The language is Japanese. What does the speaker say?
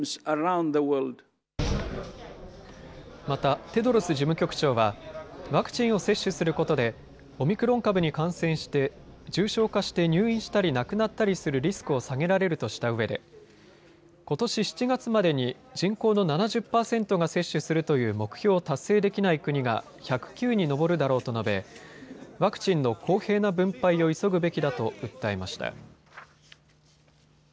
また、テドロス事務局長はワクチンを接種することでオミクロン株に感染して重症化して入院したり亡くなったりするリスクを下げられるとしたうえでことし７月までに人口の７０％が接種するという目標を達成できない国が１０９に上るだろうと述べワクチンの公平な分配を急ぐべきだと訴えました。